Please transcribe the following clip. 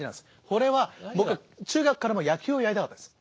これは僕は中学からも野球をやりたかったんです。